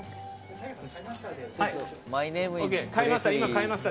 買えました。